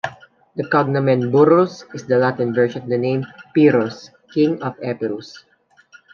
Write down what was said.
The cognomen "Burrus" is the Latin version of the name Pyrrhus, king of Epirus.